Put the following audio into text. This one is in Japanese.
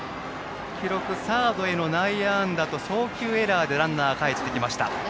記録、サードへの内野安打と送球エラーでランナーがかえってきました。